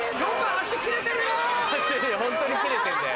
脚ホントに切れてんだよ。